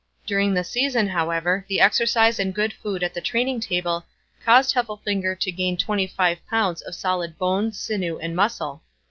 During the season, however, the exercise and good food at the training table caused Heffelfinger to gain 25 pounds of solid bone, sinew and muscle.